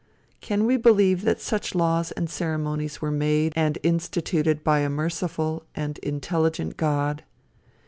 Can we believe that such laws and ceremonies were made and instituted by a merciful and intelligent God?